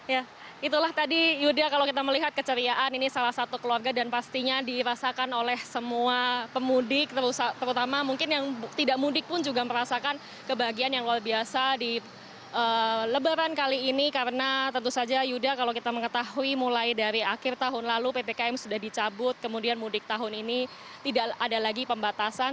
ya itulah tadi yuda kalau kita melihat keceriaan ini salah satu keluarga dan pastinya dirasakan oleh semua pemudik terutama mungkin yang tidak mudik pun juga merasakan kebahagiaan yang luar biasa di lebaran kali ini karena tentu saja yuda kalau kita mengetahui mulai dari akhir tahun lalu ppkm sudah dicabut kemudian mudik tahun ini tidak ada lagi pembatasan